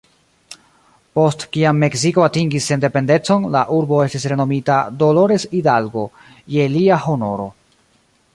Post kiam Meksiko atingis sendependecon, la urbo estis renomita "Dolores Hidalgo" je lia honoro.